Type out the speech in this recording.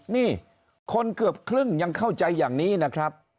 นี่คนเกือบครึ่งยังเข้าใจอย่างนี้นะครับ